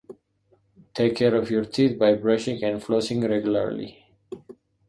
Take care of your teeth by brushing and flossing regularly.